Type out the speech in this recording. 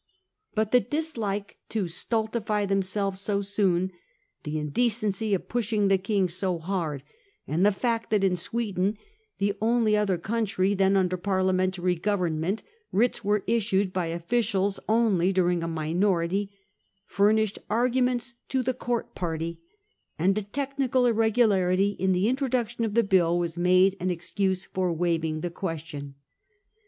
But the dislike to stultify themselves so soon, the indecency of pushing the King so hard, and the fact that in Sweden, the only other country then under parliamentary govern ment, writs were issued by officials only during a minority, furnished arguments to the court party ; and a technical irregularity in the introduction of the bill was made an excuse for waiving the question.